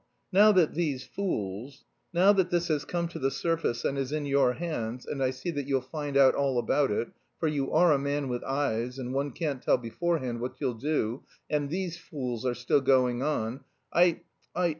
now that these fools... now that this has come to the surface and is in your hands, and I see that you'll find out all about it for you are a man with eyes and one can't tell beforehand what you'll do and these fools are still going on, I... I...